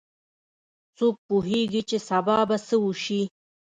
څوک پوهیږي چې سبا به څه وشي